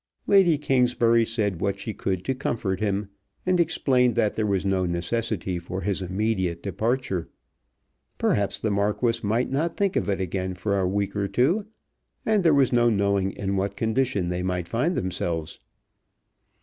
Lady Kingsbury said what she could to comfort him, and explained that there was no necessity for his immediate departure. Perhaps the Marquis might not think of it again for another week or two; and there was no knowing in what condition they might find themselves.